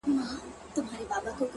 د ژوند ارزښت په نښه پرېښودلو کې دی